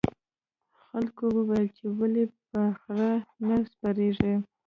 خلکو وویل چې ولې په خره نه سپریږې.